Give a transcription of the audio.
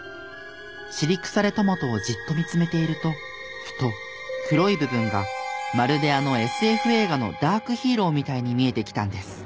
尻腐れトマトをじっと見つめているとふと黒い部分がまるであのＳＦ映画のダークヒーローみたいに見えてきたんです。